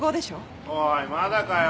おいまだかよ。